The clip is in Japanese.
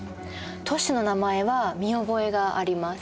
都市の名前は見覚えがあります。